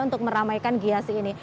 untuk meramaikan gias ini